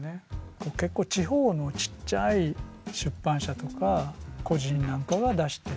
結構地方のちっちゃい出版社とか個人なんかが出してる。